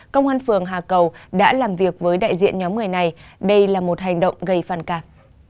công an phường hà cầu đã làm việc với đại diện nhóm người này đây là một hành động gây phản cảm